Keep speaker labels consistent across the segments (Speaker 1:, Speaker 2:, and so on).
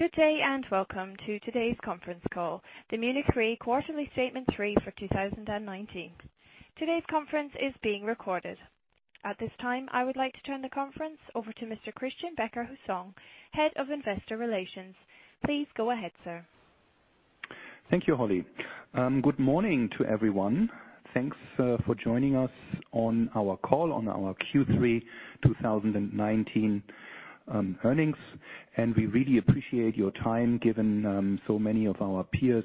Speaker 1: Good day, welcome to today's conference call, the Munich RE quarterly statement three for 2019. Today's conference is being recorded. At this time, I would like to turn the conference over to Mr. Christian Becker-Hussong, Head of Investor Relations. Please go ahead, sir.
Speaker 2: Thank you, Holly. Good morning to everyone. Thanks for joining us on our call on our Q3 2019 earnings. We really appreciate your time given so many of our peers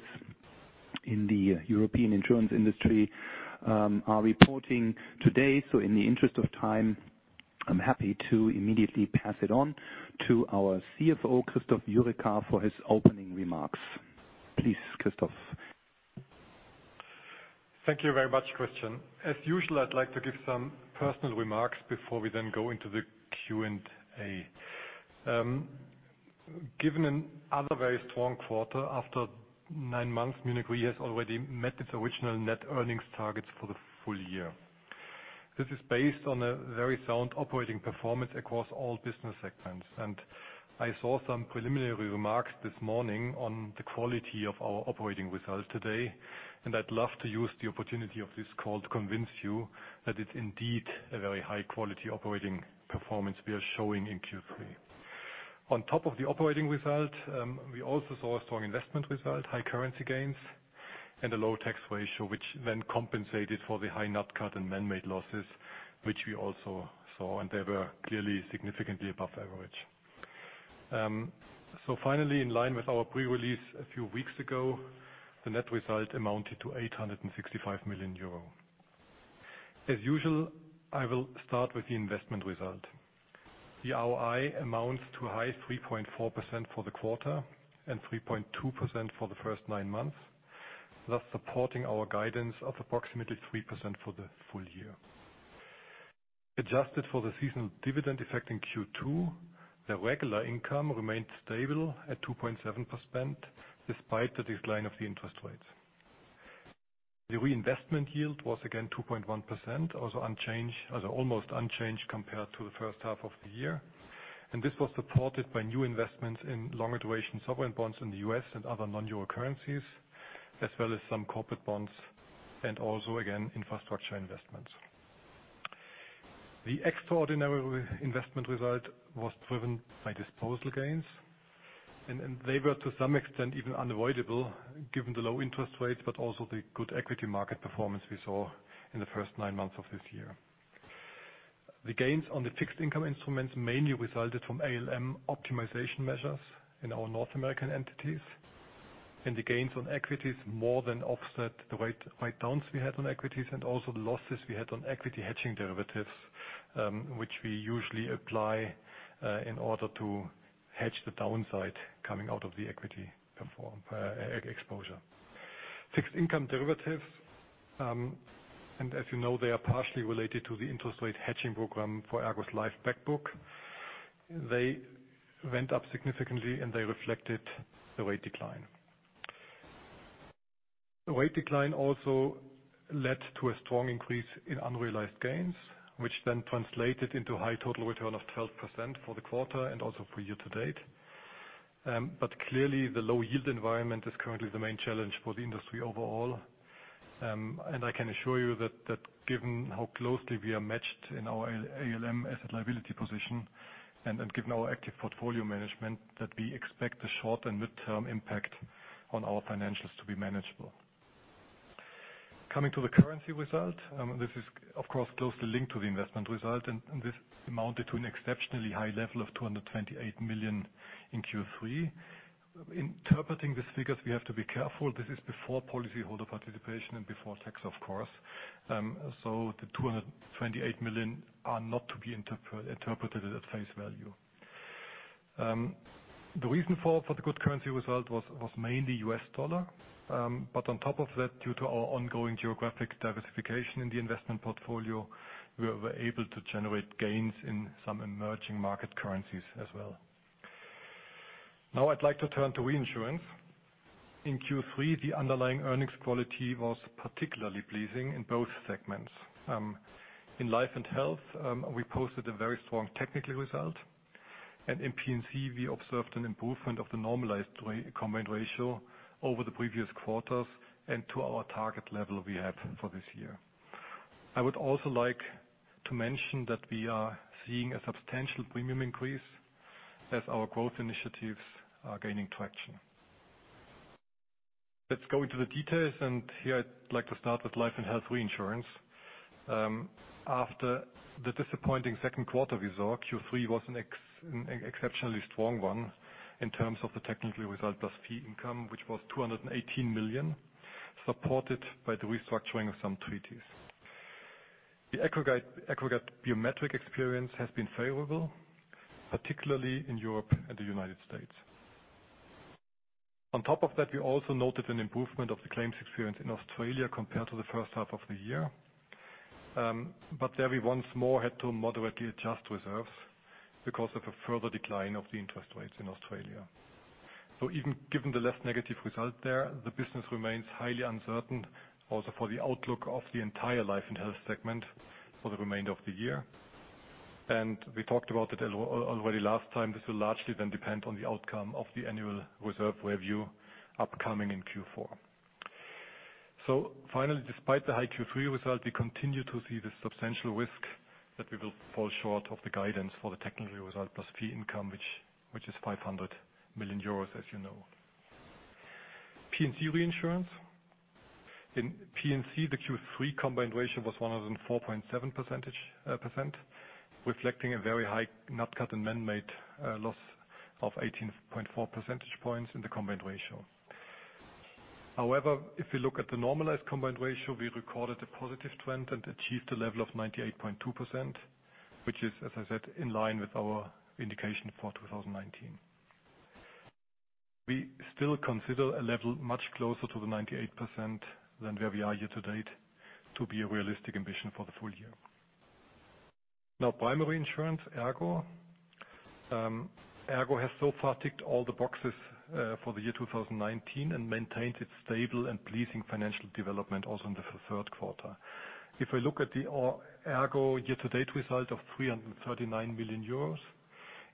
Speaker 2: in the European insurance industry are reporting today. In the interest of time, I'm happy to immediately pass it on to our CFO, Christoph Jurecka, for his opening remarks. Please, Christoph.
Speaker 3: Thank you very much, Christian. As usual, I'd like to give some personal remarks before we then go into the Q&A. Given another very strong quarter after nine months, Munich RE has already met its original net earnings targets for the full year. This is based on a very sound operating performance across all business segments. I saw some preliminary remarks this morning on the quality of our operating results today, and I'd love to use the opportunity of this call to convince you that it's indeed a very high-quality operating performance we are showing in Q3. On top of the operating result, we also saw a strong investment result, high currency gains, and a low tax ratio, which then compensated for the high nat cat and man-made losses, which we also saw, and they were clearly significantly above average. Finally, in line with our pre-release a few weeks ago, the net result amounted to 865 million euro. As usual, I will start with the investment result. The ROI amounts to a high 3.4% for the quarter and 3.2% for the first nine months, thus supporting our guidance of approximately 3% for the full year. Adjusted for the seasonal dividend effect in Q2, the regular income remained stable at 2.7%, despite the decline of the interest rates. The reinvestment yield was again 2.1%, also almost unchanged compared to the first half of the year. This was supported by new investments in longer duration sovereign bonds in the U.S. and other non-euro currencies, as well as some corporate bonds and also, again, infrastructure investments. The extraordinary investment result was driven by disposal gains, and they were to some extent even unavoidable given the low interest rates, but also the good equity market performance we saw in the first nine months of this year. The gains on the fixed income instruments mainly resulted from ALM optimization measures in our North American entities, and the gains on equities more than offset the write-downs we had on equities and also the losses we had on equity hedging derivatives, which we usually apply in order to hedge the downside coming out of the equity exposure. Fixed income derivatives, and as you know, they are partially related to the interest rate hedging program for ERGO Life Back Book. They went up significantly, and they reflected the rate decline. The rate decline also led to a strong increase in unrealized gains, which then translated into high total return of 12% for the quarter and also for year to date. Clearly, the low yield environment is currently the main challenge for the industry overall. I can assure you that given how closely we are matched in our ALM asset liability position and given our active portfolio management, that we expect the short and mid-term impact on our financials to be manageable. Coming to the currency result. This is, of course, closely linked to the investment result, and this amounted to an exceptionally high level of 228 million in Q3. Interpreting these figures, we have to be careful. This is before policyholder participation and before tax, of course. The 228 million are not to be interpreted at face value. The reason for the good currency result was mainly US dollar. On top of that, due to our ongoing geographic diversification in the investment portfolio, we were able to generate gains in some emerging market currencies as well. Now I'd like to turn to reinsurance. In Q3, the underlying earnings quality was particularly pleasing in both segments. In Life and Health, we posted a very strong technical result, and in P&C, we observed an improvement of the normalized combined ratio over the previous quarters and to our target level we have for this year. I would also like to mention that we are seeing a substantial premium increase as our growth initiatives are gaining traction. Let's go into the details, and here I'd like to start with Life and Health reinsurance. After the disappointing second quarter result, Q3 was an exceptionally strong one in terms of the technical result plus fee income, which was 218 million, supported by the restructuring of some treaties. The aggregate biometric experience has been favorable, particularly in Europe and the U.S. We also noted an improvement of the claims experience in Australia compared to the first half of the year. There we once more had to moderately adjust reserves because of a further decline of the interest rates in Australia. Even given the less negative result there, the business remains highly uncertain also for the outlook of the entire Life and Health segment for the remainder of the year. We talked about it already last time. This will largely then depend on the outcome of the annual reserve review upcoming in Q4. Finally, despite the high Q3 result, we continue to see the substantial risk that we will fall short of the guidance for the technical result plus fee income, which is 500 million euros, as you know. P&C reinsurance. In P&C, the Q3 combined ratio was 104.7%, reflecting a very high nat cat and man-made loss of 18.4 percentage points in the combined ratio. If we look at the normalized combined ratio, we recorded a positive trend and achieved a level of 98.2%, which is, as I said, in line with our indication for 2019. We still consider a level much closer to the 98% than where we are year-to-date to be a realistic ambition for the full year. Primary insurance, ERGO. ERGO has so far ticked all the boxes for the year 2019 and maintains its stable and pleasing financial development also in the third quarter. If I look at the ERGO year-to-date result of 339 million euros,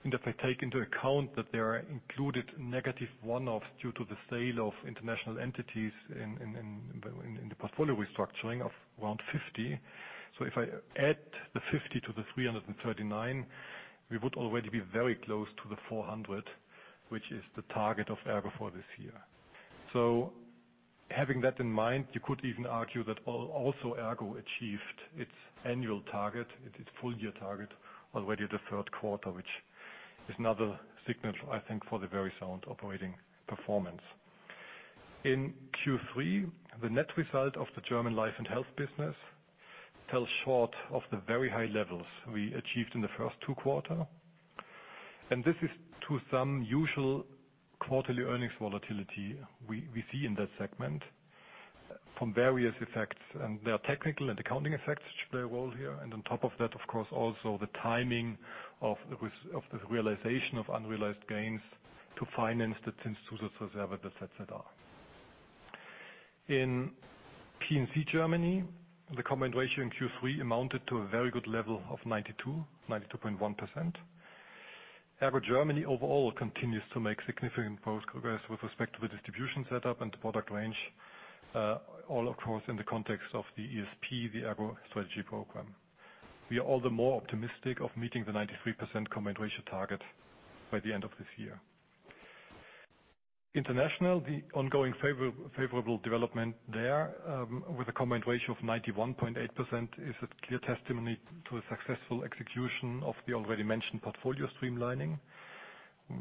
Speaker 3: and if I take into account that there are included negative one-offs due to the sale of international entities in the portfolio restructuring of around 50 million. If I add the 50 million to the 339 million, we would already be very close to the 400 million, which is the target of ERGO for this year. Having that in mind, you could even argue that also ERGO achieved its annual target, its full-year target, already the third quarter, which is another signal, I think, for the very sound operating performance. In Q3, the net result of the German life and health business fell short of the very high levels we achieved in the first two quarter. This is to some usual quarterly earnings volatility we see in that segment from various effects. There are technical and accounting effects which play a role here. On top of that, of course, also the timing of the realization of unrealized gains to finance the Zinszusatzreserve, et cetera. In P&C Germany, the combined ratio in Q3 amounted to a very good level of 92.1%. ERGO Germany overall continues to make significant progress with respect to the distribution setup and the product range. All, of course, in the context of the ESP, the ERGO Strategy Program. We are all the more optimistic of meeting the 93% combined ratio target by the end of this year. International, the ongoing favorable development there with a combined ratio of 91.8% is a clear testimony to a successful execution of the already mentioned portfolio streamlining,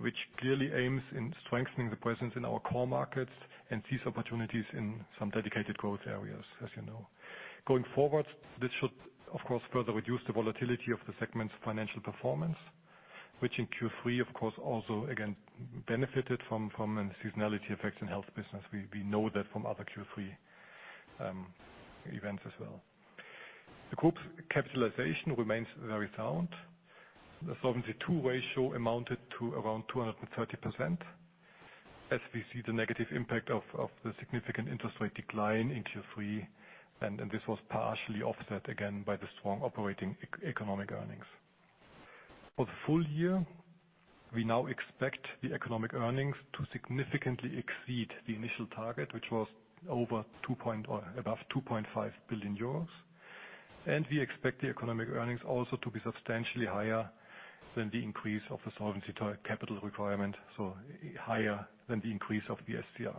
Speaker 3: which clearly aims in strengthening the presence in our core markets and seize opportunities in some dedicated growth areas, as you know. Going forward, this should, of course, further reduce the volatility of the segment's financial performance, which in Q3, of course, also again benefited from seasonality effects in health business. We know that from other Q3 events as well. The group capitalization remains very sound. The Solvency II ratio amounted to around 230%, as we see the negative impact of the significant interest rate decline in Q3. This was partially offset again by the strong operating economic earnings. For the full year, we now expect the economic earnings to significantly exceed the initial target, which was above 2.5 billion euros. We expect the economic earnings also to be substantially higher than the increase of the solvency capital requirement, higher than the increase of the SCR.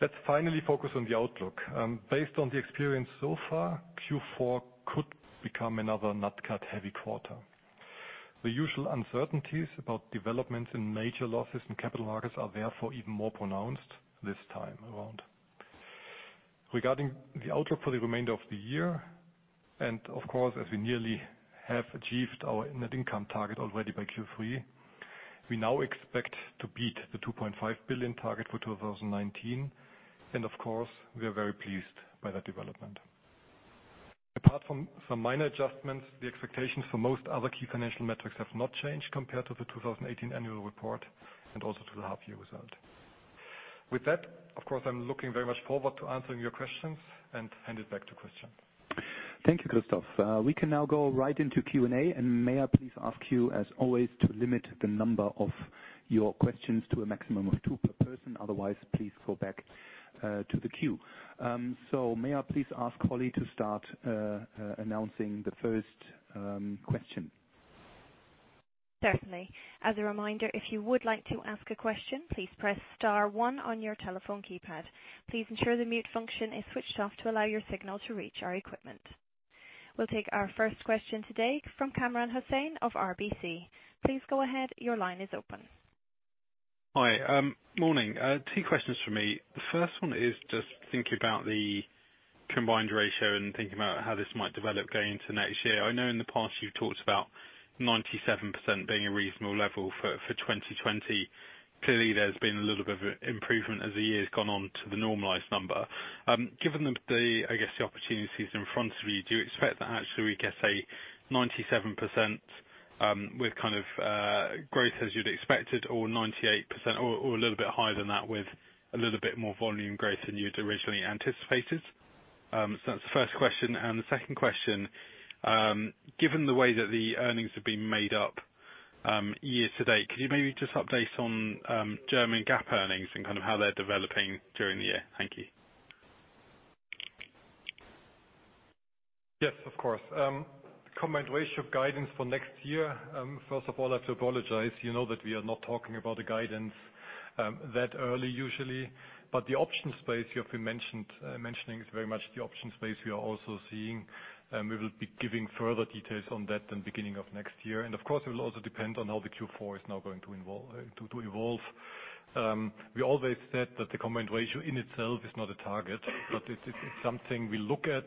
Speaker 3: Let's finally focus on the outlook. Based on the experience so far, Q4 could become another nat cat heavy quarter. The usual uncertainties about developments in major losses in capital markets are therefore even more pronounced this time around. Regarding the outlook for the remainder of the year, and of course, as we nearly have achieved our net income target already by Q3, we now expect to beat the 2.5 billion target for 2019. Of course, we are very pleased by that development. Apart from some minor adjustments, the expectations for most other key financial metrics have not changed compared to the 2018 annual report and also to the half year result. With that, of course, I'm looking very much forward to answering your questions and hand it back to Christian.
Speaker 2: Thank you, Christoph. We can now go right into Q&A. May I please ask you, as always, to limit the number of your questions to a maximum of two per person. Otherwise, please go back to the queue. May I please ask Holly to start announcing the first question.
Speaker 1: Certainly. As a reminder, if you would like to ask a question, please press star one on your telephone keypad. Please ensure the mute function is switched off to allow your signal to reach our equipment. We'll take our first question today from Kamran Hossain of RBC. Please go ahead. Your line is open.
Speaker 4: Hi. Morning. Two questions from me. The first one is just thinking about the combined ratio and thinking about how this might develop going into next year. I know in the past you've talked about 97% being a reasonable level for 2020. Clearly, there's been a little bit of improvement as the year has gone on to the normalized number. Given the, I guess, the opportunities in front of you, do you expect that actually we get a 97% with kind of growth as you'd expected or 98% or a little bit higher than that with a little bit more volume growth than you'd originally anticipated? That's the first question. The second question, given the way that the earnings have been made up year to date, could you maybe just update on German GAAP earnings and how they're developing during the year? Thank you.
Speaker 3: Yes, of course. Combined ratio guidance for next year. First of all, I have to apologize. You know that we are not talking about the guidance that early usually. The option space you have been mentioning is very much the option space we are also seeing. We will be giving further details on that in beginning of next year. Of course, it will also depend on how the Q4 is now going to evolve. We always said that the combined ratio in itself is not a target, but it's something we look at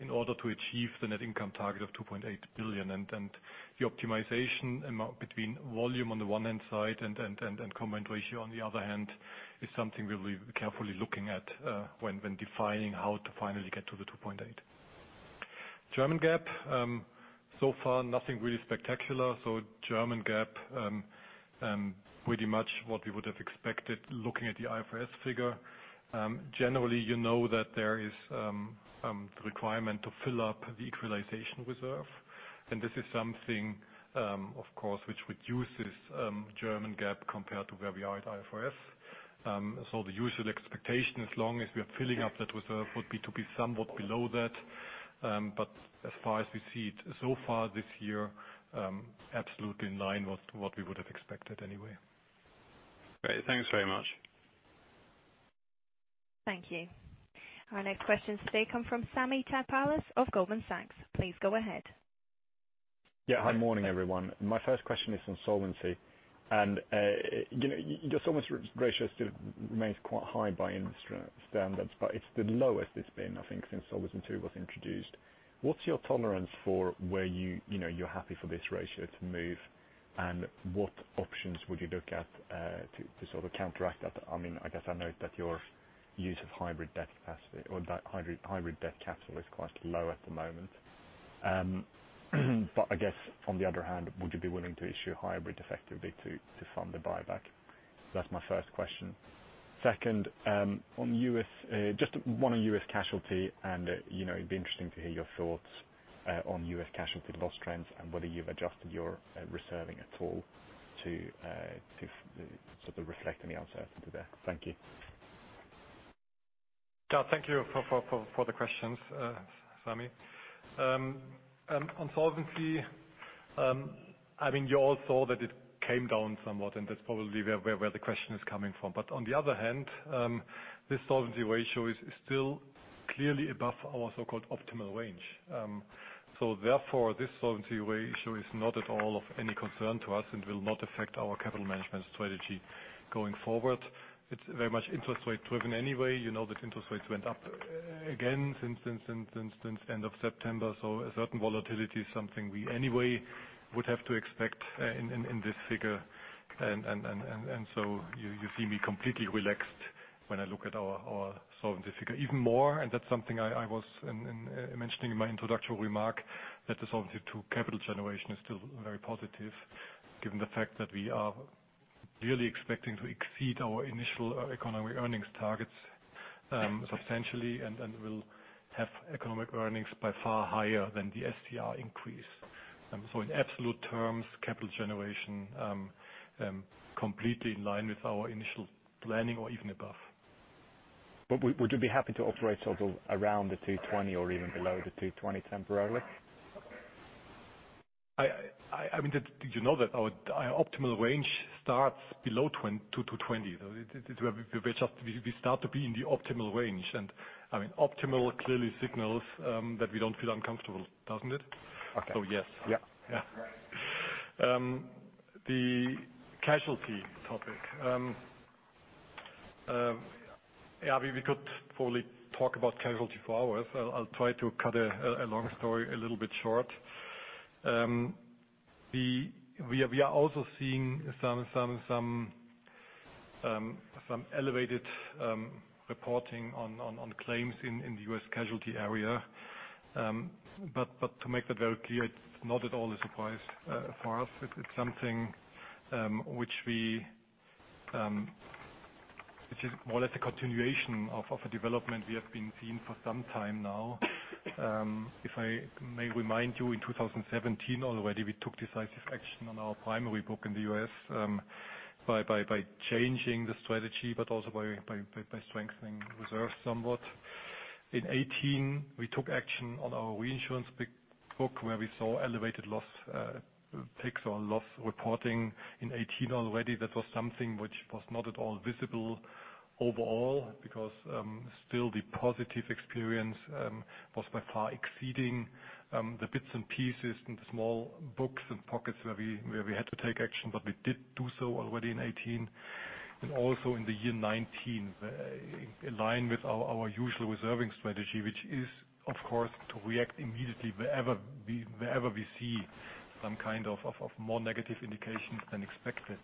Speaker 3: in order to achieve the net income target of 2.8 billion. The optimization between volume on the one hand side and combined ratio on the other hand, is something we'll be carefully looking at, when defining how to finally get to the 2.8. German GAAP, so far nothing really spectacular. German GAAP, pretty much what we would have expected looking at the IFRS figure. Generally, you know that there is the requirement to fill up the equalization reserve. This is something, of course, which reduces German GAAP compared to where we are at IFRS. The usual expectation, as long as we are filling up that reserve, would be to be somewhat below that. As far as we see it so far this year, absolutely in line with what we would have expected anyway.
Speaker 4: Great. Thanks very much.
Speaker 1: Thank you. Our next questions today come from Sami Taipalus of Goldman Sachs. Please go ahead.
Speaker 5: Yeah. Hi, morning everyone. My first question is on solvency. Your solvency ratio still remains quite high by industry standards, but it's the lowest it's been, I think, since Solvency II was introduced. What's your tolerance for where you're happy for this ratio to move, and what options would you look at to sort of counteract that? I note that your use of hybrid debt capacity or that hybrid debt capital is quite low at the moment. I guess on the other hand, would you be willing to issue hybrid effectively to fund the buyback? That's my first question. Second, just one on US casualty, it'd be interesting to hear your thoughts on US casualty loss trends and whether you've adjusted your reserving at all to sort of reflect any uncertainty there. Thank you.
Speaker 3: Yeah, thank you for the questions, Sami. On solvency, you all saw that it came down somewhat, and that's probably where the question is coming from. On the other hand, this solvency ratio is still clearly above our so-called optimal range. Therefore, this solvency ratio is not at all of any concern to us and will not affect our capital management strategy going forward. It's very much interest rate driven anyway. You know that interest rates went up again since end of September, so a certain volatility is something we anyway would have to expect in this figure. So you see me completely relaxed when I look at our solvency figure. Even more, and that's something I was mentioning in my introductory remark, that the Solvency II capital generation is still very positive given the fact that we are really expecting to exceed our initial economic earnings targets, substantially and will have economic earnings by far higher than the SCR increase. In absolute terms, capital generation, completely in line with our initial planning or even above.
Speaker 5: Would you be happy to operate sort of around the 220 or even below the 220 temporarily?
Speaker 3: You know that our optimal range starts below 220. We start to be in the optimal range. Optimal clearly signals, that we don't feel uncomfortable, doesn't it?
Speaker 5: Okay.
Speaker 3: Yes.
Speaker 5: Yeah.
Speaker 3: Yeah. The casualty topic. We could probably talk about casualty for hours. I'll try to cut a long story a little bit short. We are also seeing some elevated reporting on claims in the U.S. casualty area. To make that very clear, it's not at all a surprise for us. It's something which is more or less a continuation of a development we have been seeing for some time now. If I may remind you, in 2017 already, we took decisive action on our primary book in the U.S., by changing the strategy, but also by strengthening reserves somewhat. In 2018, we took action on our reinsurance book, where we saw elevated loss ticks or loss reporting. In 2018 already, that was something which was not at all visible overall because, still the positive experience was by far exceeding the bits and pieces and the small books and pockets where we had to take action. We did do so already in 2018. Also in the year 2019, in line with our usual reserving strategy, which is of course to react immediately wherever we see some kind of more negative indication than expected.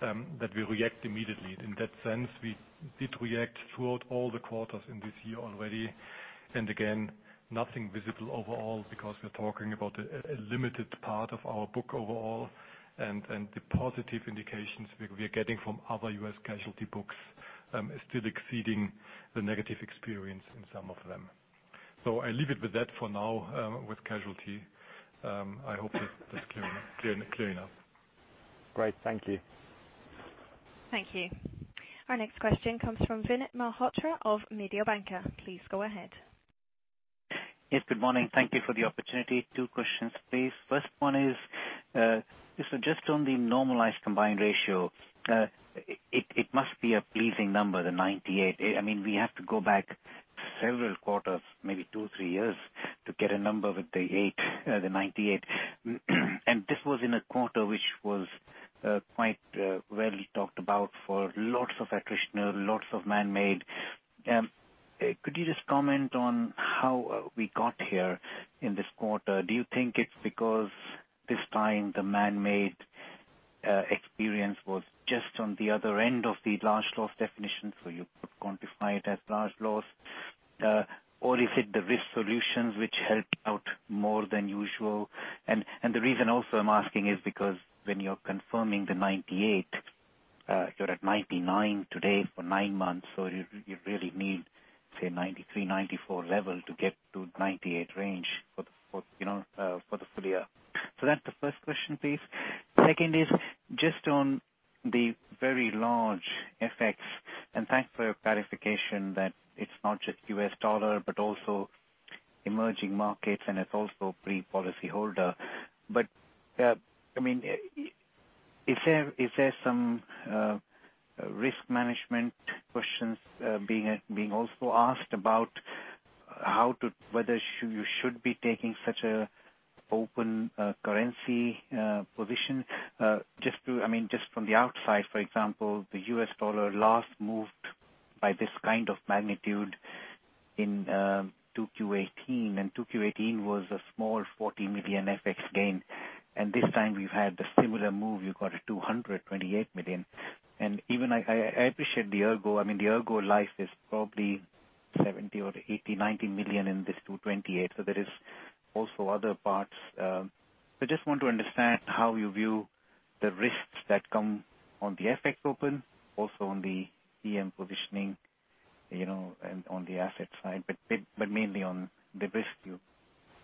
Speaker 3: That we react immediately. In that sense, we did react throughout all the quarters in this year already. Again, nothing visible overall because we're talking about a limited part of our book overall, and the positive indications we are getting from other U.S. casualty books are still exceeding the negative experience in some of them. I leave it with that for now, with casualty. I hope that's clear enough.
Speaker 5: Great. Thank you.
Speaker 1: Thank you. Our next question comes from Vinit Malhotra of Mediobanca. Please go ahead.
Speaker 6: Yes. Good morning. Thank you for the opportunity. Two questions, please. First one is, just on the normalized combined ratio. It must be a pleasing number, the 98. We have to go back several quarters, maybe two, three years, to get a number with the 98. This was in a quarter which was quite well talked about for lots of attritional, lots of man-made. Could you just comment on how we got here in this quarter? Do you think it's because this time the man-made experience was just on the other end of the large loss definition, so you could quantify it as large loss? Is it the Risk Solutions which helped out more than usual? The reason also I'm asking is because when you're confirming the 98, you're at 99 today for 9 months, so you really need, say, 93, 94 level to get to 98 range for the full year. That's the first question, please. Second is just on the very large effects. Thanks for your clarification that it's not just US dollar, but also emerging markets, and it's also pre-policy holder. Is there some risk management questions being also asked about whether you should be taking such an open currency position? Just from the outside, for example, the US dollar last moved by this kind of magnitude in 2Q18, and 2Q18 was a small 40 million FX gain. This time we've had the similar move, you got a 228 million. I appreciate the ERGO. The ERGO Life is probably 70 million or 80 million, 90 million in this 228. There is also other parts. Just want to understand how you view the risks that come on the FX open, also on the EM positioning, and on the asset side, but mainly on the risk view,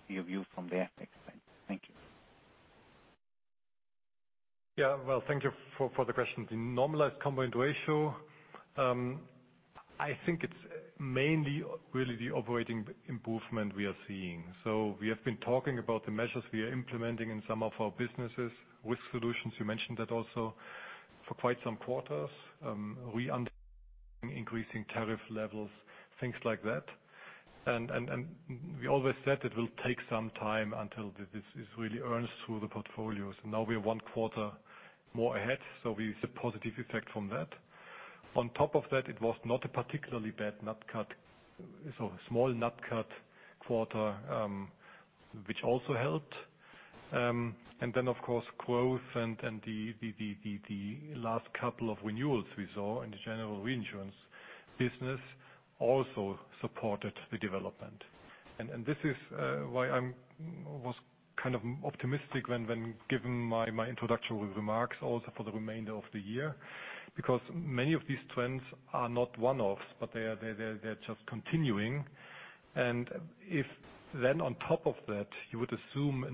Speaker 6: your view from the FX side. Thank you.
Speaker 3: Yeah. Well, thank you for the question. The normalized combined ratio, I think it's mainly really the operating improvement we are seeing. We have been talking about the measures we are implementing in some of our businesses. Risk Solutions, you mentioned that also. For quite some quarters, we increasing tariff levels, things like that. We always said it will take some time until this is really earned through the portfolios. Now we're one quarter more ahead, we see positive effect from that. On top of that, it was not a particularly bad nat cat, a small nat cat quarter, which also helped. Of course, growth and the last couple of renewals we saw in the general reinsurance business also supported the development. This is why I was optimistic when given my introductory remarks also for the remainder of the year, because many of these trends are not one-offs, but they're just continuing. If then on top of that, you would assume a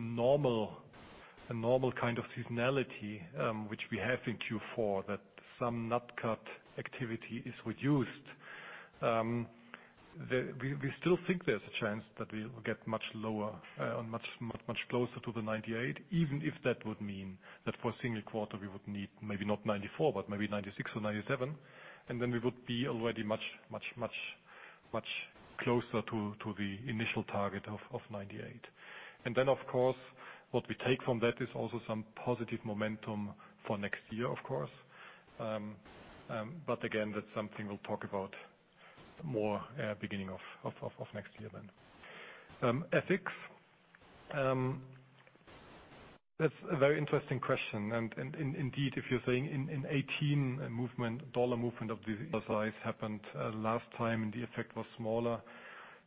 Speaker 3: normal kind of seasonality, which we have in Q4, that some nat cat activity is reduced. We still think there's a chance that we will get much lower, much closer to the 98, even if that would mean that for a single quarter, we would need maybe not 94, but maybe 96 or 97. We would be already much closer to the initial target of 98. Of course, what we take from that is also some positive momentum for next year. Again, that's something we'll talk about more at beginning of next year then. FX. That's a very interesting question. Indeed, if you're saying in 2018, USD movement of this size happened last time and the effect was smaller,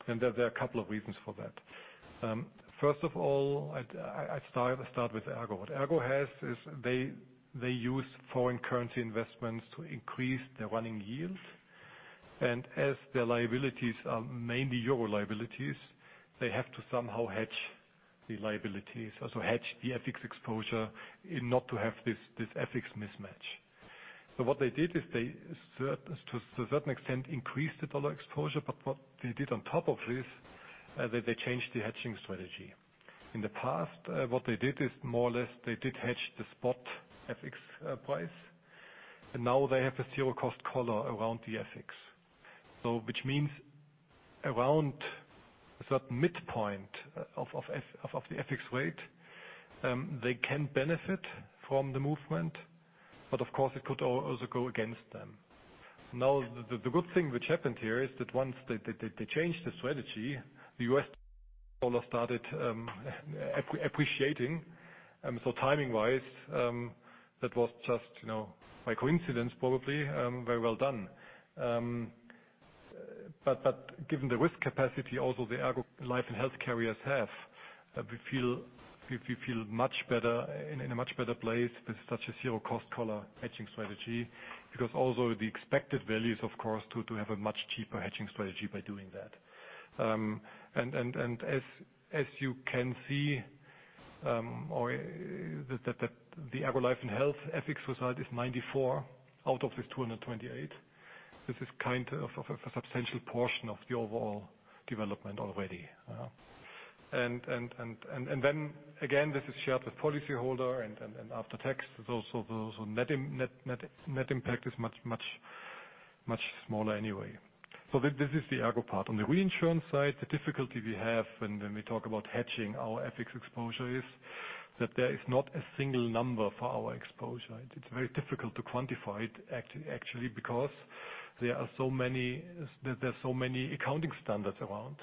Speaker 3: there are a couple of reasons for that. First of all, I start with ERGO. What ERGO has is they use foreign currency investments to increase their running yield. As their liabilities are mainly EUR liabilities, they have to somehow hedge the liabilities, also hedge the FX exposure, not to have this FX mismatch. What they did is they, to a certain extent, increased the USD exposure. What they did on top of this, they changed the hedging strategy. In the past, what they did is more or less, they did hedge the spot FX price, now they have a zero-cost collar around the FX. Which means around a certain midpoint of the FX rate, they can benefit from the movement. Of course, it could also go against them. The good thing which happened here is that once they changed the strategy, the US dollar started appreciating. Timing-wise, that was just by coincidence, probably, very well done. Given the risk capacity also the ERGO Life and Health carriers have, we feel in a much better place with such a zero-cost collar hedging strategy, because also the expected value is, of course, to have a much cheaper hedging strategy by doing that. As you can see, the ERGO Life and Health ethics result is 94 out of this 228. This is a substantial portion of the overall development already. Then, again, this is shared with policy holder and after tax, so net impact is much smaller anyway. This is the ERGO part. On the reinsurance side, the difficulty we have when we talk about hedging our FX exposure is that there is not a single number for our exposure. It's very difficult to quantify it actually because there are so many accounting standards around,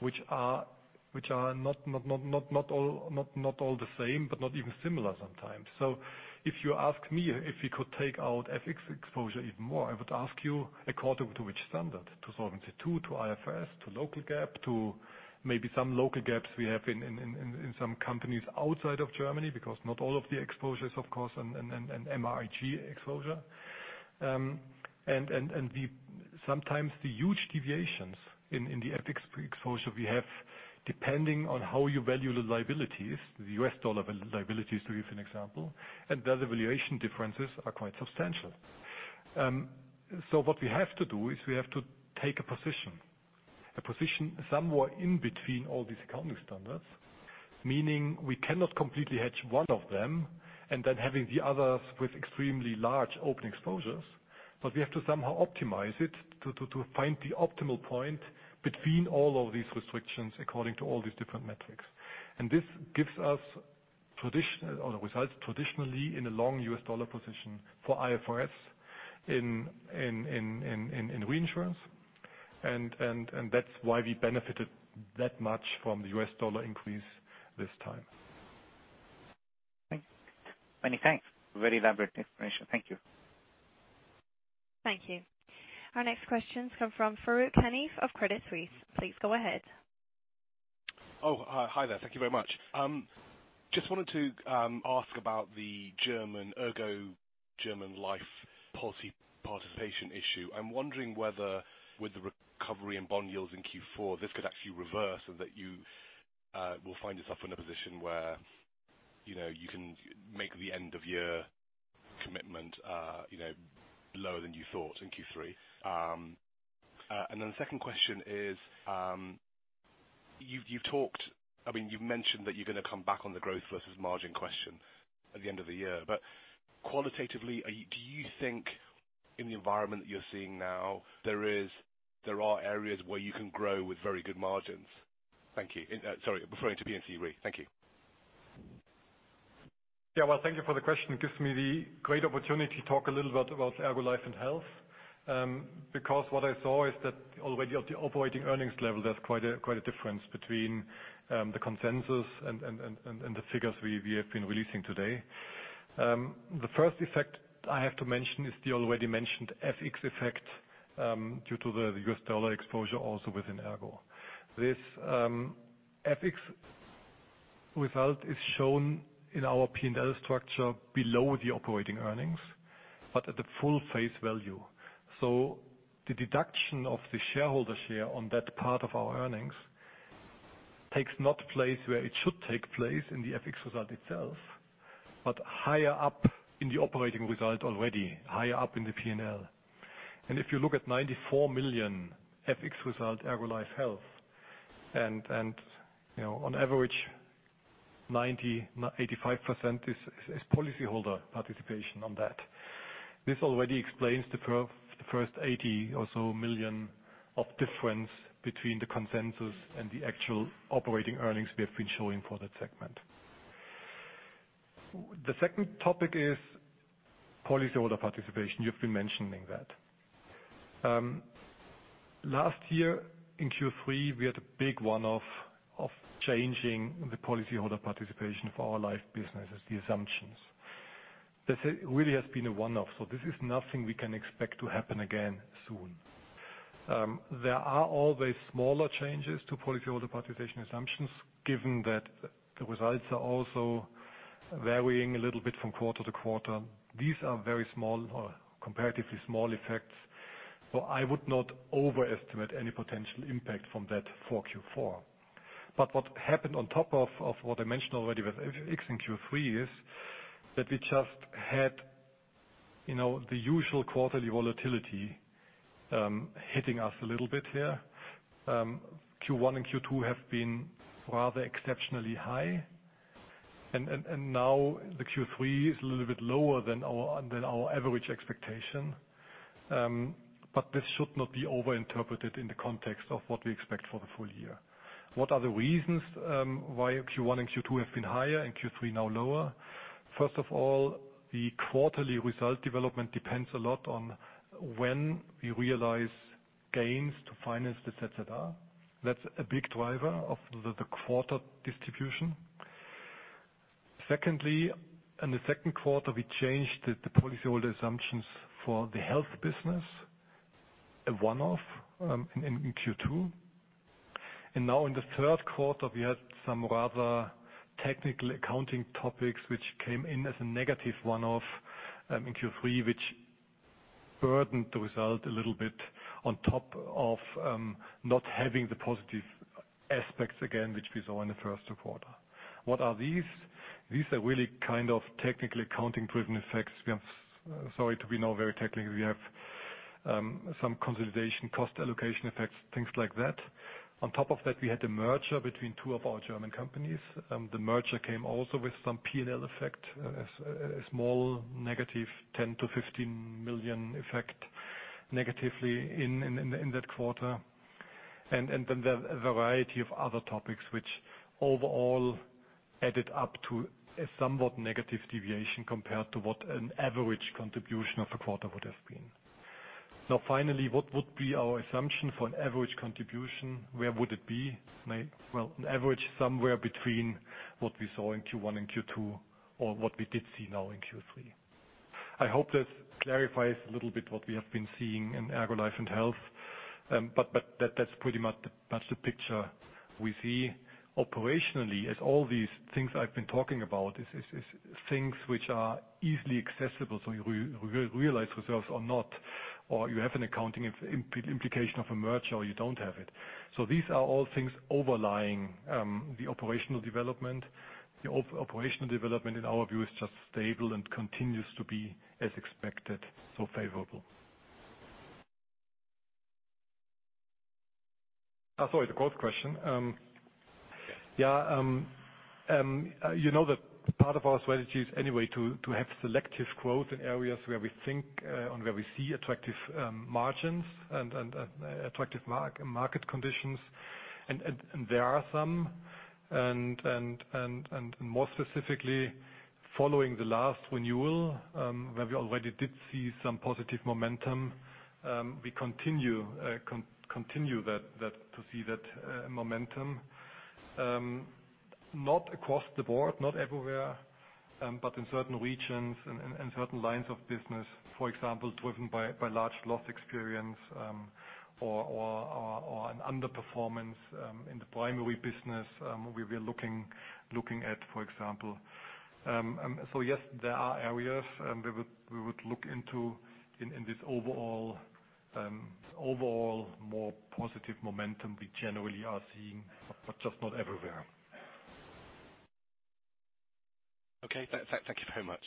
Speaker 3: which are not all the same, but not even similar sometimes. If you ask me if we could take out FX exposure even more, I would ask you according to which standard? To Solvency II, to IFRS, to local GAAP, to maybe some local GAAPs we have in some companies outside of Germany, because not all of the exposures, of course, and MRIG exposure. Sometimes the huge deviations in the FX exposure we have, depending on how you value the liabilities, the US dollar liabilities, to give an example, and those evaluation differences are quite substantial. What we have to do is we have to take a position. A position somewhat in between all these accounting standards. Meaning, we cannot completely hedge one of them, and then having the others with extremely large open exposures, we have to somehow optimize it to find the optimal point between all of these restrictions according to all these different metrics. This gives us results traditionally in a long US dollar position for IFRS in reinsurance. That's why we benefited that much from the US dollar increase this time.
Speaker 6: Okay. Many thanks. Very elaborate information. Thank you.
Speaker 1: Thank you. Our next questions come from Farooq Hanif of Credit Suisse. Please go ahead.
Speaker 7: Oh, hi there. Thank you very much. Just wanted to ask about the German ERGO, German Life policy participation issue. I'm wondering whether with the recovery in bond yields in Q4, this could actually reverse and that you will find yourself in a position where you can make the end-of-year commitment lower than you thought in Q3. The second question is, you've mentioned that you're going to come back on the growth versus margin question at the end of the year. Qualitatively, do you think in the environment that you're seeing now, there are areas where you can grow with very good margins? Thank you. Sorry, referring to P&C RE. Thank you.
Speaker 3: Yeah. Well, thank you for the question. It gives me the great opportunity to talk a little bit about ERGO Life and Health. What I saw is that already at the operating earnings level, there's quite a difference between the consensus and the figures we have been releasing today. The first effect I have to mention is the already mentioned FX effect, due to the US dollar exposure also within ERGO. This FX result is shown in our P&L structure below the operating earnings, but at the full face value. The deduction of the shareholder share on that part of our earnings takes not place where it should take place, in the FX result itself, but higher up in the operating result already. Higher up in the P&L. If you look at 94 million FX result, ERGO Life Health. On average, 90%, 85% is policyholder participation on that. This already explains the first 80 million or so of difference between the consensus and the actual operating earnings we have been showing for that segment. The second topic is policyholder participation. You've been mentioning that. Last year in Q3, we had a big one-off of changing the policyholder participation of our life businesses, the assumptions. This really has been a one-off, so this is nothing we can expect to happen again soon. There are always smaller changes to policyholder participation assumptions, given that the results are also varying a little bit from quarter to quarter. These are very small or comparatively small effects. I would not overestimate any potential impact from that for Q4. What happened on top of what I mentioned already with FX in Q3 is, that we just had the usual quarterly volatility, hitting us a little bit here. Q1 and Q2 have been rather exceptionally high. Now the Q3 is a little bit lower than our average expectation. This should not be over-interpreted in the context of what we expect for the full year. What are the reasons why Q1 and Q2 have been higher and Q3 now lower? First of all, the quarterly result development depends a lot on when we realize gains to finance this et cetera. That's a big driver of the quarter distribution. Secondly, in the second quarter, we changed the policyholder assumptions for the health business, a one-off, in Q2. Now in the third quarter, we had some rather technical accounting topics which came in as a negative one-off, in Q3, which burdened the result a little bit on top of, not having the positive aspects again, which we saw in the first quarter. What are these? These are really technically accounting driven effects. Sorry to be now very technical. We have some consolidation, cost allocation effects, things like that. On top of that, we had the merger between two of our German companies. The merger came also with some P&L effect, a small negative, 10 million-15 million effect negatively in that quarter. Then there are a variety of other topics which overall added up to a somewhat negative deviation compared to what an average contribution of a quarter would have been. Now, finally, what would be our assumption for an average contribution? Where would it be? Well, on average, somewhere between what we saw in Q1 and Q2, or what we did see now in Q3. I hope this clarifies a little bit what we have been seeing in ERGO Life and Health. That's pretty much the picture we see operationally as all these things I've been talking about is things which are easily accessible, so you realize reserves or not, or you have an accounting implication of a merger, or you don't have it. These are all things overlying the operational development. The operational development, in our view, is just stable and continues to be as expected, so favorable. Sorry, the growth question. Yeah. You know that part of our strategy is anyway to have selective growth in areas where we think and where we see attractive margins and attractive market conditions. There are some, more specifically, following the last renewal, where we already did see some positive momentum. We continue to see that momentum. Not across the board, not everywhere, but in certain regions and certain lines of business. For example, driven by large loss experience, or an underperformance in the primary business, where we are looking at, for example. Yes, there are areas we would look into in this overall more positive momentum we generally are seeing, but just not everywhere.
Speaker 7: Okay. Thank you very much.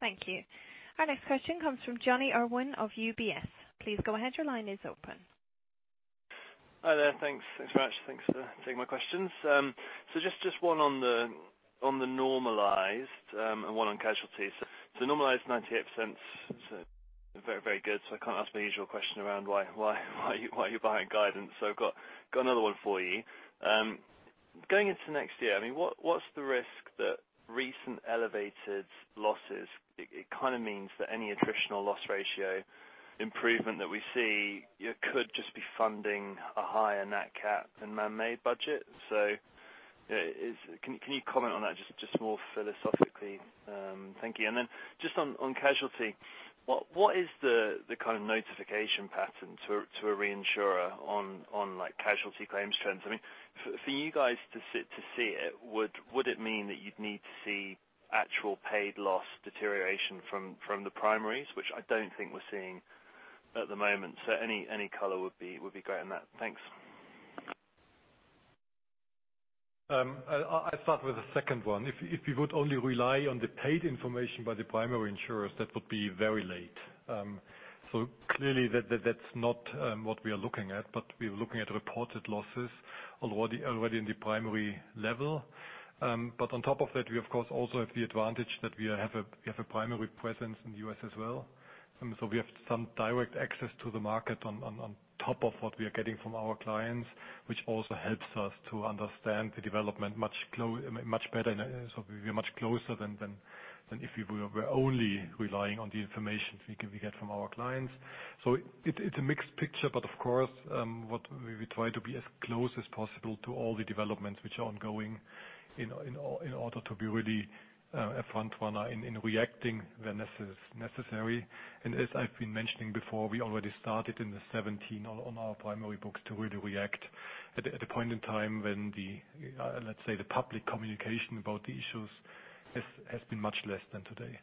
Speaker 1: Thank you. Our next question comes from Jonny Urwin of UBS. Please go ahead. Your line is open.
Speaker 8: Hi there. Thanks. Thanks very much. Thanks for taking my questions. Just one on the normalized, and one on casualties. Normalized 98%, so very good. I can't ask my usual question around why you're behind guidance. Got another one for you. Going into next year, what's the risk that recent elevated losses, it kind of means that any attritional loss ratio improvement that we see could just be funding a higher nat cat than man-made budget. Can you comment on that just more philosophically? Thank you. Then just on casualty, what is the kind of notification pattern to a reinsurer on casualty claims trends? For you guys to see it, would it mean that you'd need to see actual paid loss deterioration from the primaries? I don't think we're seeing at the moment. Any color would be great on that. Thanks.
Speaker 3: I'll start with the second one. If you would only rely on the paid information by the primary insurers, that would be very late. Clearly that's not what we are looking at, but we're looking at reported losses already in the primary level. On top of that, we of course also have the advantage that we have a primary presence in the U.S. as well. We have some direct access to the market on top of what we are getting from our clients, which also helps us to understand the development much better. We are much closer than if we were only relying on the information we get from our clients. It's a mixed picture, but of course, what we will try to be as close as possible to all the developments which are ongoing in order to be really a front runner in reacting when necessary. As I've been mentioning before, we already started in 2017 on our primary books to really react at a point in time when the, let's say, the public communication about the issues has been much less than today.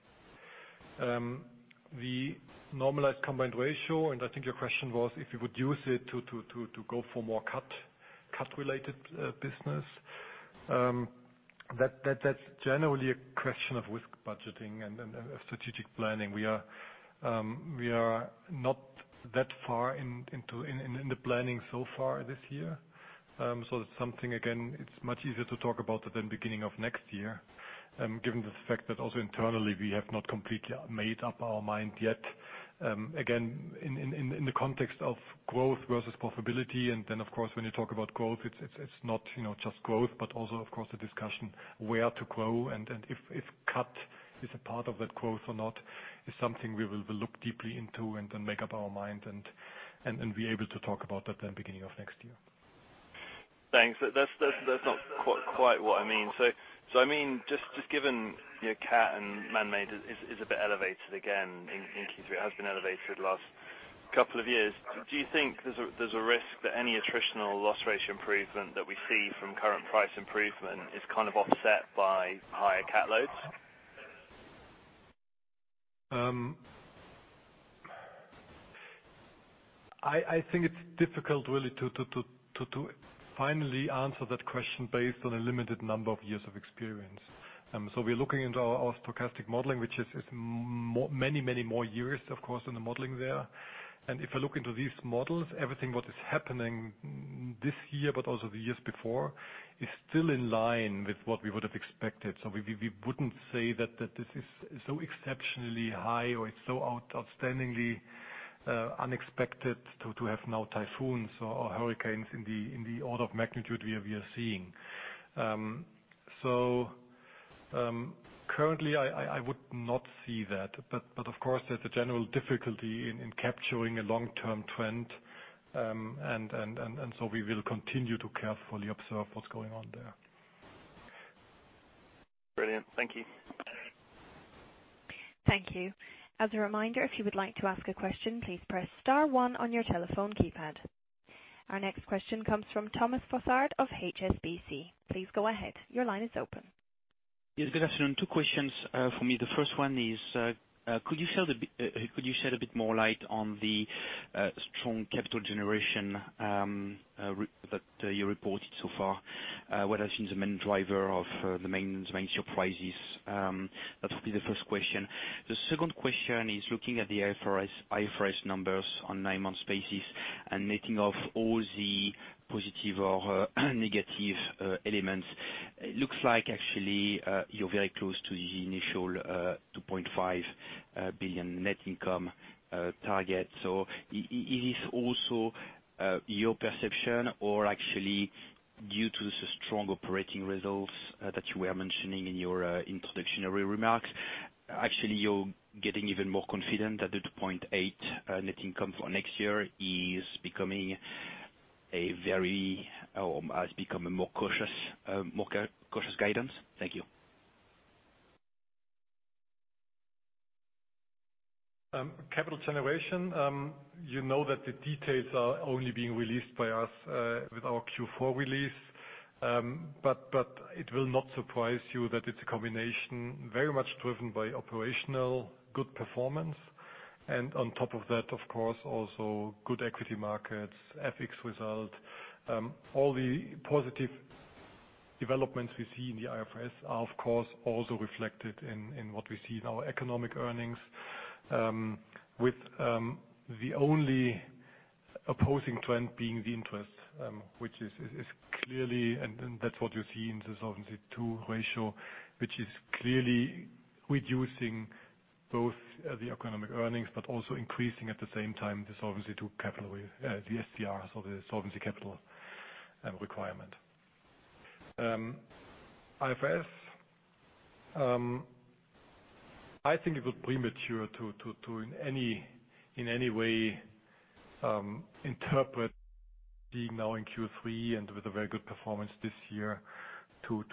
Speaker 3: The normalized combined ratio, and I think your question was if you would use it to go for more CAT-related business. That's generally a question of risk budgeting and of strategic planning. We are not that far in the planning so far this year. That's something, again, it's much easier to talk about at the beginning of next year, given the fact that also internally, we have not completely made up our mind yet. Again, in the context of growth versus profitability, then, of course, when you talk about growth, it's not just growth, but also, of course, the discussion where to grow and if CAT is a part of that growth or not is something we will look deeply into and then make up our mind and be able to talk about that then beginning of next year.
Speaker 8: Thanks. That's not quite what I mean. I mean, just given your CAT and man-made is a bit elevated again in Q3, has been elevated the last couple of years. Do you think there's a risk that any attritional loss ratio improvement that we see from current price improvement is kind of offset by higher CAT loads?
Speaker 3: I think it's difficult really to finally answer that question based on a limited number of years of experience. We're looking into our stochastic modeling, which is many more years, of course, in the modeling there. If I look into these models, everything what is happening this year, but also the years before, is still in line with what we would have expected. We wouldn't say that this is so exceptionally high, or it's so outstandingly unexpected to have now typhoons or hurricanes in the order of magnitude we are seeing. Currently, I would not see that. Of course, there's a general difficulty in capturing a long-term trend. We will continue to carefully observe what's going on there.
Speaker 8: Brilliant. Thank you.
Speaker 1: Thank you. As a reminder, if you would like to ask a question, please press star one on your telephone keypad. Our next question comes from Thomas Fossard of HSBC. Please go ahead. Your line is open.
Speaker 9: Yes. Good afternoon. Two questions from me. The first one is, could you shed a bit more light on the strong capital generation that you reported so far? What has been the main driver of the main surprises? That will be the first question. The second question is looking at the IFRS numbers on nine-month basis and netting off all the positive or negative elements. It looks like actually, you're very close to the initial 2.5 billion net income target. Is this also your perception or actually due to the strong operating results that you were mentioning in your introductory remarks? Actually, you're getting even more confident that the 2.8 net income for next year is becoming a very, or has become a more cautious guidance. Thank you.
Speaker 3: Capital generation. You know that the details are only being released by us with our Q4 release. It will not surprise you that it's a combination very much driven by operational good performance. On top of that, of course, also good equity markets, equities result. All the positive developments we see in the IFRS are, of course, also reflected in what we see in our economic earnings. With the only opposing trend being the interest, which is clearly, and that's what you see in the Solvency II ratio, which is clearly reducing both the economic earnings but also increasing, at the same time, the Solvency II capital, the SCR, so the Solvency Capital Requirement. IFRS. I think it was premature to, in any way, interpret being now in Q3 and with a very good performance this year to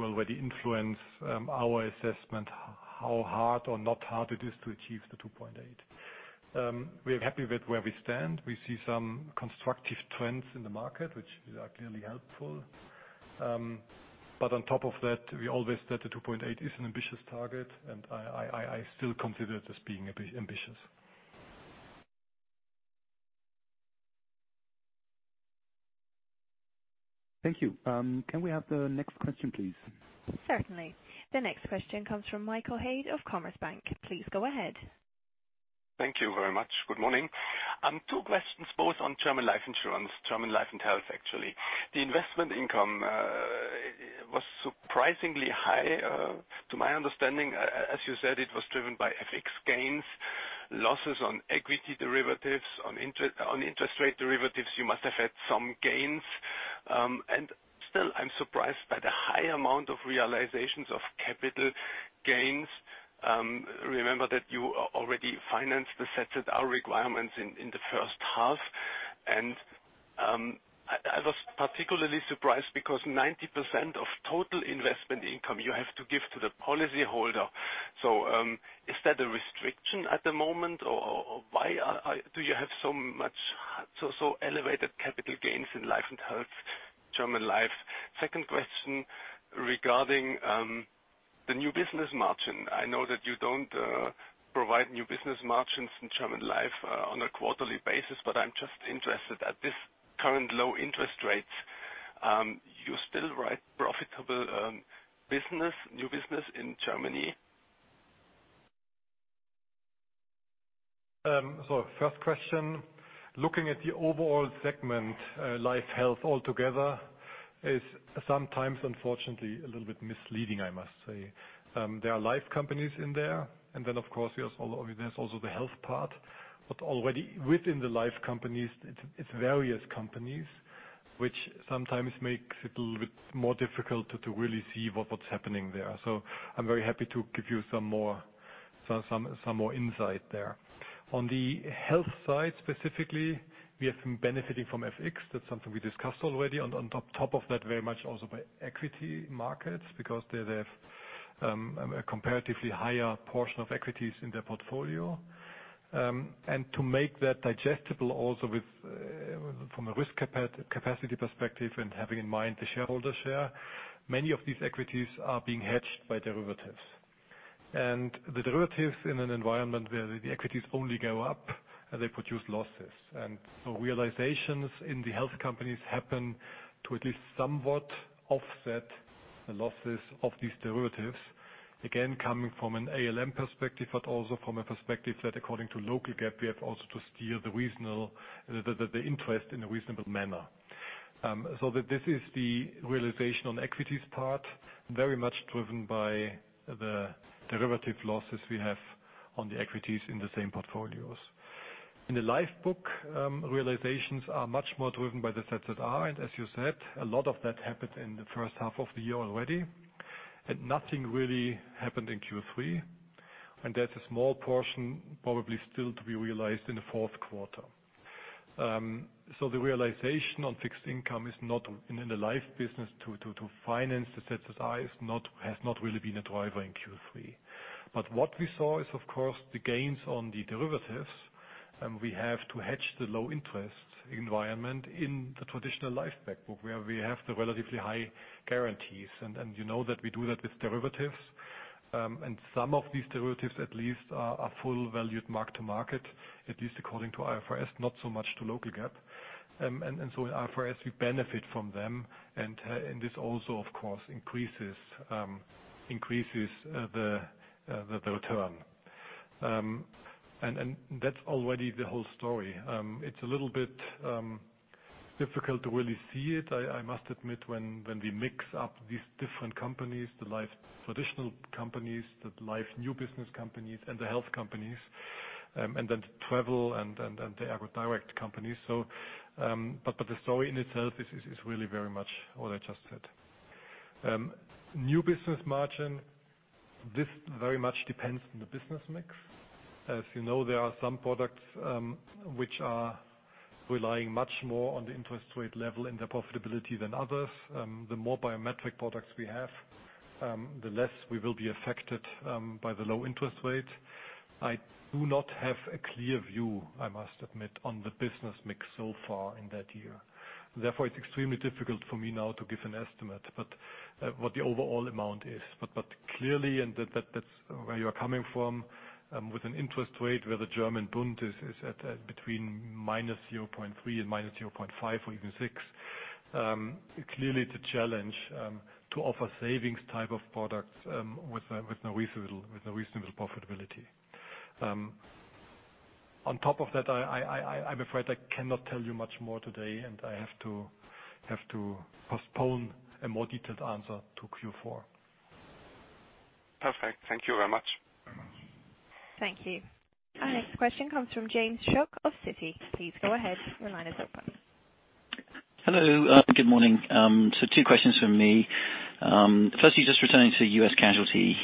Speaker 3: already influence our assessment how hard or not hard it is to achieve the 2.8. We are happy with where we stand. We see some constructive trends in the market, which are clearly helpful. On top of that, we always said the 2.8 is an ambitious target, and I still consider it as being ambitious.
Speaker 1: Thank you. Can we have the next question, please? Certainly. The next question comes from Michael Haid of Commerzbank. Please go ahead.
Speaker 10: Thank you very much. Good morning. Two questions, both on German Life insurance, German Life and Health, actually. The investment income was surprisingly high. To my understanding, as you said, it was driven by FX gains, losses on equity derivatives, on interest rate derivatives. You must have had some gains. Still, I'm surprised by the high amount of realizations of capital gains. Remember that you already financed the SCR requirements in the first half. I was particularly surprised because 90% of total investment income you have to give to the policyholder. Is that a restriction at the moment, or why do you have so elevated capital gains in Life and Health, German Life? Second question, regarding the new business margin. I know that you don't provide new business margins in German Life on a quarterly basis, but I'm just interested at this current low interest rates. You still write profitable business, new business in Germany?
Speaker 3: First question, looking at the overall segment, LifeHealth altogether is sometimes, unfortunately, a little bit misleading, I must say. There are life companies in there, and then, of course, there's also the health part. Already within the life companies, it's various companies, which sometimes makes it a little bit more difficult to really see what's happening there. I'm very happy to give you some more insight there. On the health side, specifically, we have been benefiting from FX. That's something we discussed already. On top of that, very much also by equity markets, because they have a comparatively higher portion of equities in their portfolio. To make that digestible also from a risk capacity perspective and having in mind the shareholder share, many of these equities are being hedged by derivatives. The derivatives in an environment where the equities only go up, they produce losses. Realizations in the health companies happen to at least somewhat offset the losses of these derivatives, again, coming from an ALM perspective, but also from a perspective that according to local GAAP, we have also to steer the interest in a reasonable manner. This is the realization on equities part, very much driven by the derivative losses we have on the equities in the same portfolios. In the life book, realizations are much more driven by the ZZR. As you said, a lot of that happened in the first half of the year already, and nothing really happened in Q3. There's a small portion probably still to be realized in the fourth quarter. The realization on fixed income is not in the life business to finance the ZZR has not really been a driver in Q3. What we saw is, of course, the gains on the derivatives, and we have to hedge the low-interest environment in the traditional ERGO Life Back Book, where we have the relatively high guarantees. You know that we do that with derivatives. Some of these derivatives, at least, are full valued mark-to-market, at least according to IFRS, not so much to local GAAP. In IFRS, we benefit from them, and this also, of course, increases the return. That's already the whole story. It's a little bit difficult to really see it, I must admit, when we mix up these different companies, the life traditional companies, the life new business companies and the health companies, and then travel and the ERGO Direkt companies. The story in itself is really very much what I just said. New business margin. This very much depends on the business mix. As you know, there are some products, which are relying much more on the interest rate level and their profitability than others. The more biometric products we have, the less we will be affected by the low interest rate. I do not have a clear view, I must admit, on the business mix so far in that year. It's extremely difficult for me now to give an estimate. Clearly, and that's where you're coming from, with an interest rate where the German bond is at between -0.3 and -0.5 or even 6.0. Clearly, it's a challenge to offer savings type of products with a reasonable profitability. On top of that, I'm afraid I cannot tell you much more today, and I have to postpone a more detailed answer to Q4.
Speaker 10: Perfect. Thank you very much.
Speaker 1: Thank you. Our next question comes from James Shuck of Citi. Please go ahead. Your line is open.
Speaker 11: Hello. Good morning. Two questions from me. Firstly, just returning to U.S. casualty.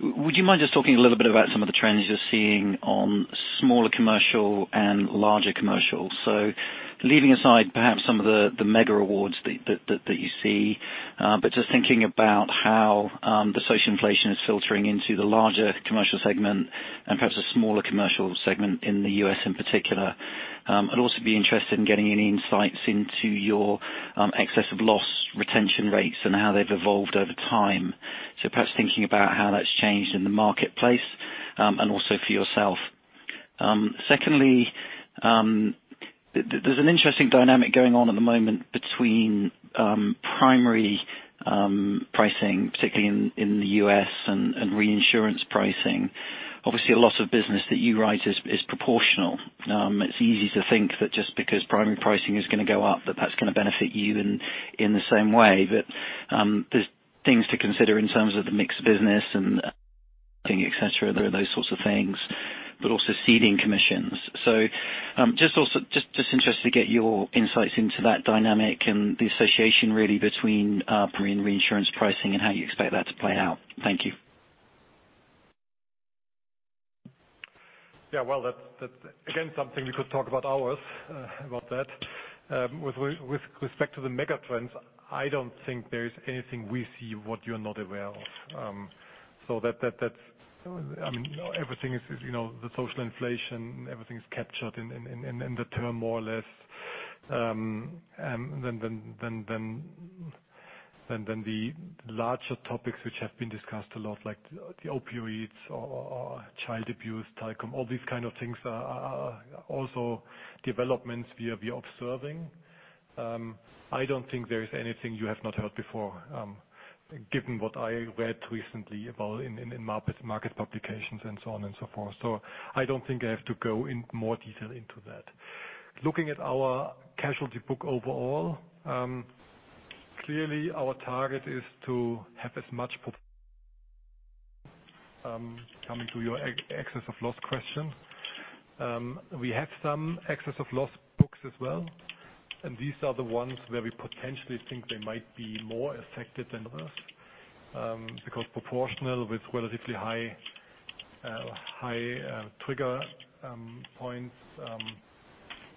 Speaker 11: Would you mind just talking a little bit about some of the trends you're seeing on smaller commercial and larger commercial? Leaving aside perhaps some of the mega awards that you see, but just thinking about how the social inflation is filtering into the larger commercial segment and perhaps a smaller commercial segment in the U.S. in particular. I'd also be interested in getting any insights into your excess of loss retention rates and how they've evolved over time. Perhaps thinking about how that's changed in the marketplace, and also for yourself. Secondly, there's an interesting dynamic going on at the moment between primary pricing, particularly in the U.S., and reinsurance pricing. Obviously, a lot of business that you write is proportional. It's easy to think that just because primary pricing is going to go up, that that's going to benefit you in the same way. There's things to consider in terms of the mixed business and et cetera, those sorts of things, also ceding commissions. Just interested to get your insights into that dynamic and the association really between primary and reinsurance pricing and how you expect that to play out. Thank you.
Speaker 3: Yeah. Well, that's again, something you could talk about hours about that. With respect to the mega trends, I don't think there's anything we see what you're not aware of. Everything is the social inflation, everything is captured in the term more or less. The larger topics which have been discussed a lot, like the opioids or child abuse, all these kind of things are also developments we are observing. I don't think there is anything you have not heard before, given what I read recently about in market publications and so on and so forth. I don't think I have to go in more detail into that. Looking at our casualty book overall, clearly our target is to have as much. Coming to your excess of loss question. We have some excess of loss books as well, and these are the ones where we potentially think they might be more affected than others. Proportional with relatively high trigger points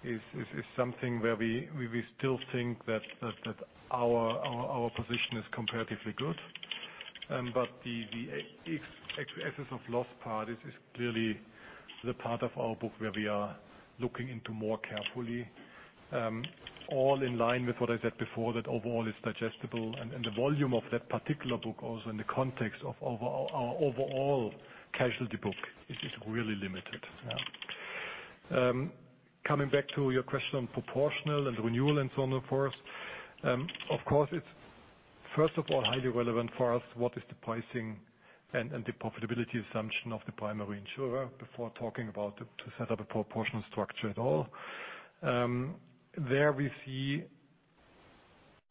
Speaker 3: is something where we still think that our position is comparatively good. The excess of loss part is clearly the part of our book where we are looking into more carefully. All in line with what I said before, that overall it's digestible, and the volume of that particular book, also in the context of our overall casualty book, is really limited. Coming back to your question on proportional and renewal and so on. Of course, it's first of all highly relevant for us what is the pricing and the profitability assumption of the primary insurer before talking about to set up a proportional structure at all. There we see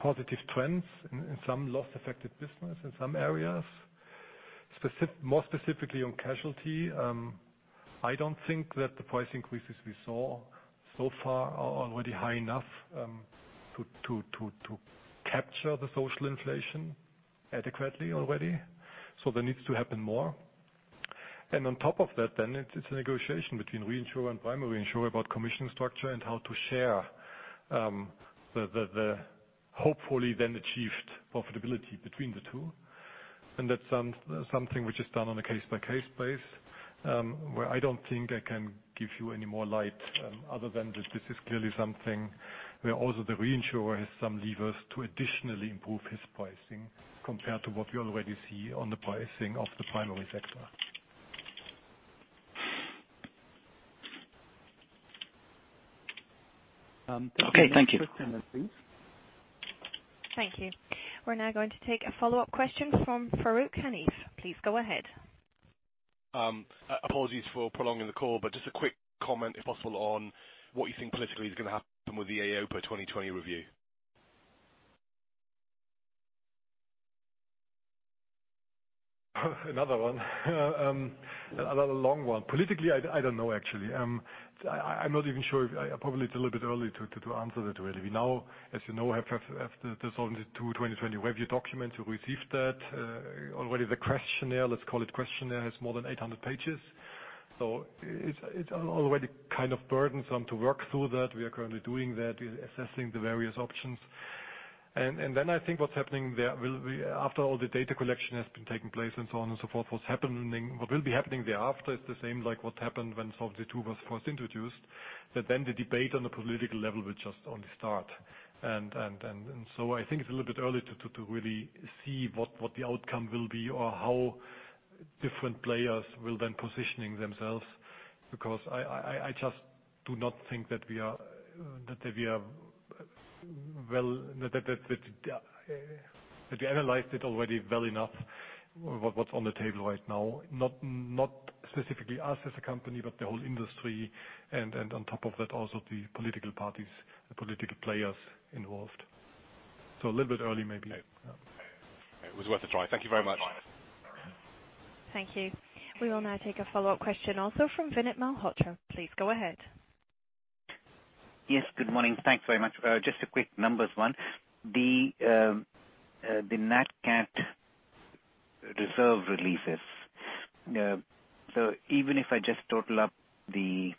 Speaker 3: positive trends in some loss-affected business in some areas. More specifically on casualty, I don't think that the price increases we saw so far are already high enough to capture the social inflation adequately already. There needs to happen more. On top of that, then it's a negotiation between reinsurer and primary insurer about commission structure and how to share the hopefully then achieved profitability between the two. That's something which is done on a case-by-case basis, where I don't think I can give you any more light other than that this is clearly something where also the reinsurer has some levers to additionally improve his pricing compared to what we already see on the pricing of the primary sector.
Speaker 11: Okay, thank you.
Speaker 1: Thank you. We're now going to take a follow-up question from Farooq Hanif. Please go ahead.
Speaker 7: Apologies for prolonging the call, but just a quick comment, if possible, on what you think politically is going to happen with the EIOPA 2020 review?
Speaker 3: Another one. Another long one. Politically, I don't know actually. I'm not even sure. Probably it's a little bit early to answer that really. We now, as you know, have the Solvency II 2020 review document. We received that. Already the questionnaire, let's call it questionnaire, has more than 800 pages. It's already kind of burdensome to work through that. We are currently doing that. We're assessing the various options. I think what's happening there, after all the data collection has been taking place and so on and so forth, what will be happening thereafter is the same like what happened when Solvency II was first introduced, that then the debate on the political level will just only start. I think it's a little bit early to really see what the outcome will be or how different players will then positioning themselves, because I just do not think that we have analyzed it already well enough, what's on the table right now, not specifically us as a company, but the whole industry. On top of that, also the political parties, the political players involved. A little bit early, maybe.
Speaker 7: It was worth a try. Thank you very much.
Speaker 1: Thank you. We will now take a follow-up question also from Vinit Malhotra. Please go ahead.
Speaker 6: Yes, good morning. Thanks very much. Just a quick numbers one. The nat cat reserve releases. Even if I just total up the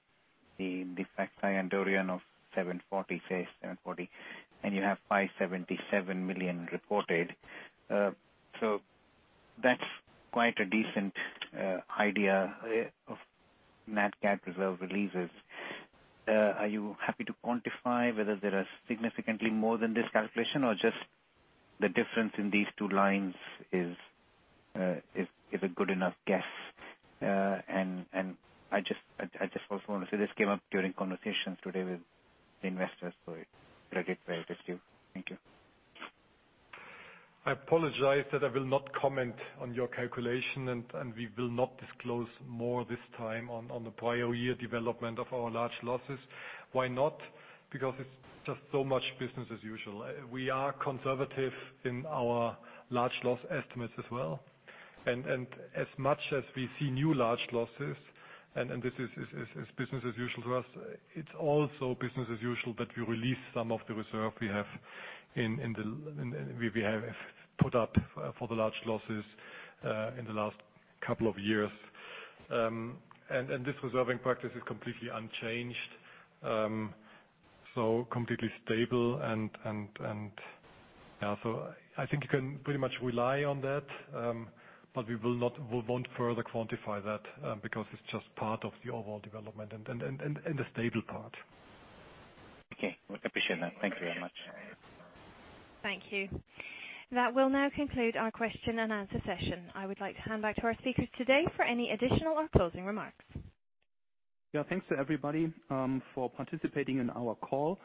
Speaker 6: fact, Hurricane Dorian of 740, and you have 577 million reported. That's quite a decent idea of nat cat reserve releases. Are you happy to quantify whether there are significantly more than this calculation or just the difference in these two lines is a good enough guess? I just also want to say this came up during conversations today with investors, so it's relevant with you. Thank you.
Speaker 3: I apologize that I will not comment on your calculation, and we will not disclose more this time on the prior year development of our large losses. Why not? It's just so much business as usual. We are conservative in our large loss estimates as well. As much as we see new large losses, and this is business as usual to us, it's also business as usual that we release some of the reserve we have put up for the large losses in the last couple of years. This reserving practice is completely unchanged, completely stable. Also, I think you can pretty much rely on that. We won't further quantify that because it's just part of the overall development and the stable part.
Speaker 6: Okay. I appreciate that. Thank you very much.
Speaker 1: Thank you. That will now conclude our question and answer session. I would like to hand back to our speakers today for any additional or closing remarks.
Speaker 3: Yeah, thanks to everybody for participating in our call.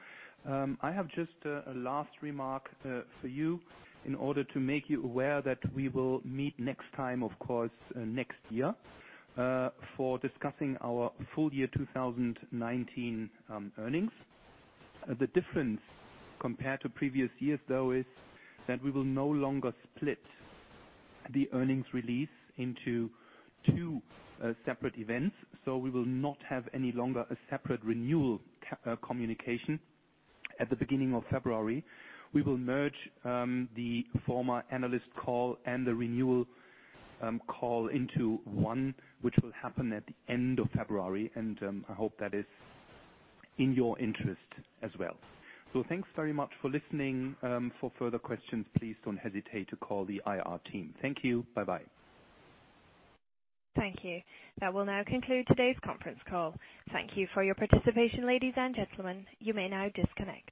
Speaker 3: I have just a last remark for you in order to make you aware that we will meet next time, of course, next year, for discussing our full year 2019 earnings. The difference compared to previous years, though, is that we will no longer split the earnings release into two separate events. We will not have any longer a separate renewal communication at the beginning of February. We will merge the former analyst call and the renewal call into one, which will happen at the end of February, and I hope that is in your interest as well. Thanks very much for listening. For further questions, please don't hesitate to call the IR team. Thank you. Bye-bye.
Speaker 1: Thank you. That will now conclude today's conference call. Thank you for your participation, ladies and gentlemen. You may now disconnect.